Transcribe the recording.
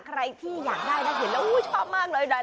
ใครที่อยากได้นะเห็นแล้วชอบมากเลย